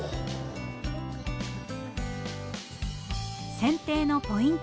せん定のポイント。